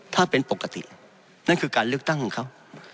ถ้าเป็นปกตินั่นคือการเลือกตั้งของเขา